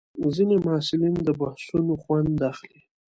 ځینې محصلین د بحثونو خوند اخلي.